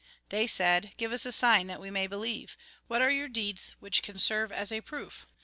They said :" Give us a sign that we may beheve. What are your deeds which can serve as a proof